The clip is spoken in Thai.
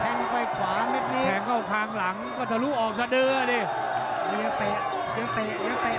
แข็งไปขวาเม็ดนี้แข็งเข้าข้างหลังก็ทะลุออกซะเด้อดิ